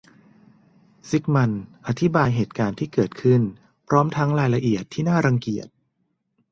ซิกมันด์อธิบายเหตุการณ์ที่เกิดขึ้นพร้อมทั้งรายละเอียดที่น่ารังเกียจ